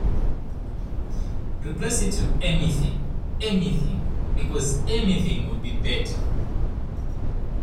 Replace it with anything - anything - because anything would be better.